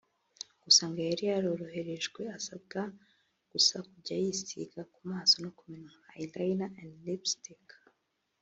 Gusa ngo yari yaroroherejwe asabwa gusa kujya yisiga ku maso no ku minwa(eyeliner and lipstick)